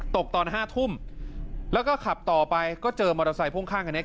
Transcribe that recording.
ตอน๕ทุ่มแล้วก็ขับต่อไปก็เจอมอเตอร์ไซค่วงข้างคันนี้